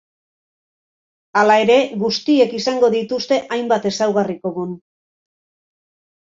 Hala ere, guztiek izango dituzte hainbat ezaugarri komun.